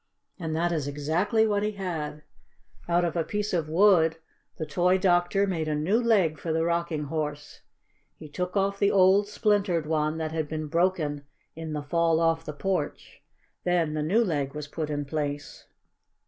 And that is exactly what he had. Out of a piece of wood the toy doctor made a new leg for the Rocking Horse. He took off the old, splintered one, that had been broken in the fall off the porch. Then the new leg was put in place.